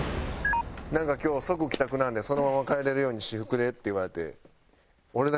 なんか今日即帰宅なんでそのまま帰れるように私服でって言われて。